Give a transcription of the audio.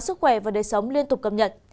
sức khỏe và đời sống liên tục cập nhật